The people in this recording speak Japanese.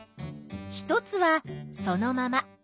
一つはそのまま。